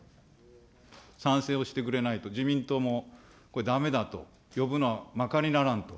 賛成をしてくれないと、自民党もこれだめだと、呼ぶのはまかりならんと。